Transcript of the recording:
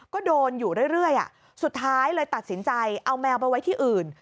ก็โดนอยู่เรื่อยสุดท้ายเลยตัดสินใจเอาแมวไปไว้ที่อื่น